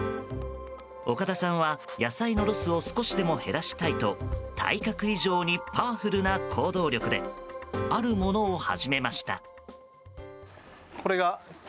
岡田さんは、野菜のロスを少しでも減らしたいと体格以上にパワフルな行動力であるものを始めました。